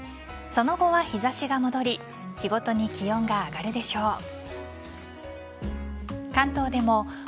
その後は日差しが戻り日ごとに気温が上がるでしょう。